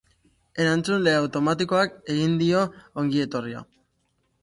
Erantzule automatikoak egin dio ongietorria.